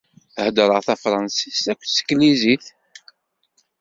Heddreɣ tafransist akked teglizit.